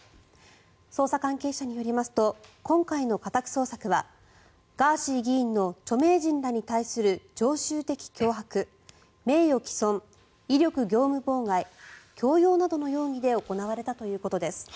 捜査関係者によりますと今回の家宅捜索はガーシー議員の著名人らに対する常習的脅迫名誉毀損、威力業務妨害強要などの容疑で行われたということです。